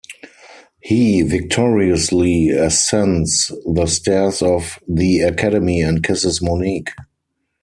He victoriously ascends the stairs of the Academy and kisses Monique.